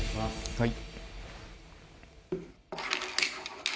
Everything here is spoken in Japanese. はい。